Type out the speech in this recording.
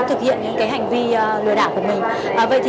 thực hiện những hành vi lừa đảo của mình